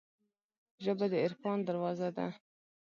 ژبه د عرفان دروازه ده